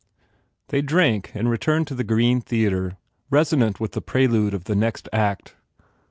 They drank and returned to the green theatre, resonant with the prelude of the next act.